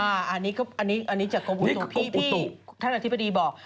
อันนี้จากกรมอุตุที่ท่านอธิบดีบอก